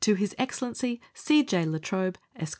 His Excellency C. J. La Trobe, Esq. No. 2.